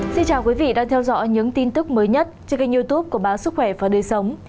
xin chào quý vị đang theo dõi những tin tức mới nhất trên kênh youtube của báo sức khỏe và đời sống